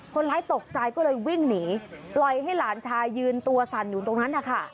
คนร้ายตกใจก็เลยวิ่งหนีลอยให้หลานชายยืนตัวสั่นอยู่ตรงนั้น